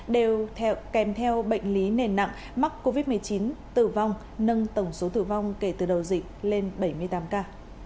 đều kèm theo bệnh lý nền nặng mắc covid một mươi chín tử vong nâng tổng số tử vong kể từ đầu dịch lên bảy mươi tám ca